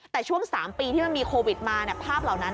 แต่ช่วง๓ปีที่มันมีโควิดมาภาพเหล่านั้น